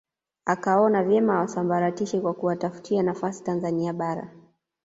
Akaona vyema awasambaratishe kwa kuwatafutia nafasi Tanzania Bara